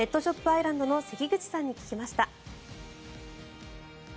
アイランドの関口さんに聞きました。